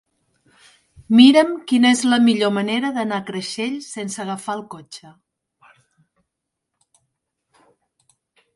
Mira'm quina és la millor manera d'anar a Creixell sense agafar el cotxe.